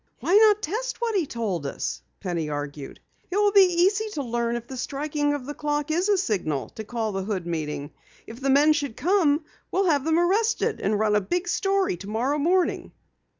"Why not test what he told us?" Penny argued. "It will be easy to learn if the striking of the clock is a signal to call the Hood meeting. If the men should come, we'll have them arrested, and run a big story tomorrow morning!"